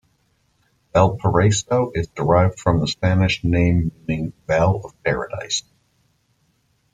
Valparaiso is derived from a Spanish name meaning "vale of paradise".